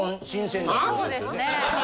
そうですね。